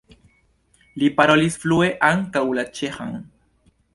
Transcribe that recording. Li parolis flue ankaŭ la ĉeĥan.